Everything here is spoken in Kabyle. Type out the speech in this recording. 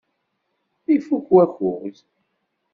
Ifuk wakud.